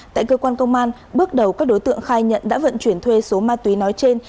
tại cơ quan công an bước đầu các đối tượng khai nhận đã vận chuyển thuê số ma túy nói trên